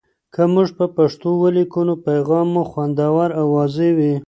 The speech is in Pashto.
که موږ په پښتو ولیکو، نو پیغام مو خوندور او واضح وي.